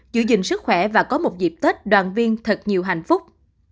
giữ gìn sức khỏe và có một dịp tết đoàn viên thật nhiều hạnh phúc